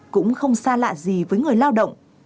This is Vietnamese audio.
cũng không xa lạ gì với người lao động